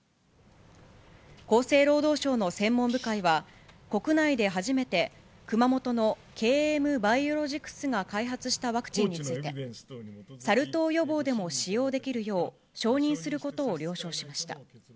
厚生労働省の専門部会は、国内で初めて熊本のＫＭバイオロジクスが開発したワクチンについて、サル痘予防でも使用できるよう、承認することを了承しました。